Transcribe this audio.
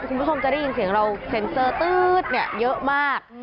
คุณผู้ชมจะได้ยินเสียงเราเซ็นเซอร์ตื๊ดเนี่ยเยอะมาก